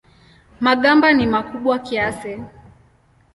Magamba ni makubwa kiasi.